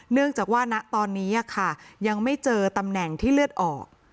เนื่องจากว่าณตอนนี้ยังไม่เจอตำแหน่งที่เลือดออก